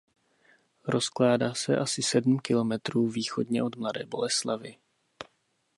Rozkládá se asi sedm kilometrů východně od Mladé Boleslavi.